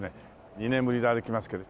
２年ぶりに歩きますけど。